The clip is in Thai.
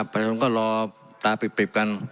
ผู้ชนก็รอตาปริบกัน